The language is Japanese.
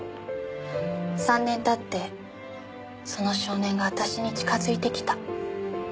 ３年経ってその少年が私に近づいてきた。